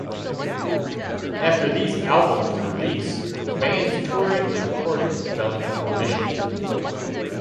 After these albums' release, the band's touring and recording fell into remission.